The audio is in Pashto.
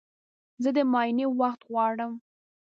زه د معاینې وخت غواړم.